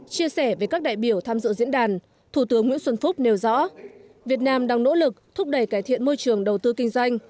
chia sẻ với các đại biểu tham dự diễn đàn thủ tướng nguyễn xuân phúc nêu rõ việt nam đang nỗ lực thúc đẩy cải thiện môi trường đầu tư kinh doanh